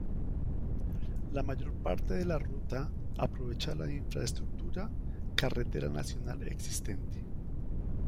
La mayor parte de la ruta aprovecha la infraestructura carretera nacional existente.